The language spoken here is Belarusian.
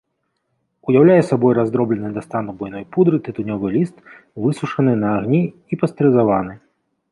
Уяўляе сабой раздроблены да стану буйной пудры тытунёвы ліст, высушаны на агні і пастэрызаваны.